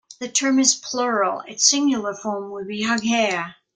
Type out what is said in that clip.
The term is plural; its singular form would be "aoghair".